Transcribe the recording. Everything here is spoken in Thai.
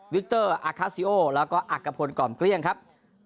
วิกเตอร์อาร์คะเซีโอและอักปรกล่อมเกลี้ยงครับ